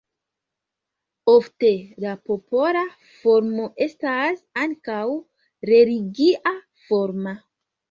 Ofte la popola formo estas ankaŭ religia forma.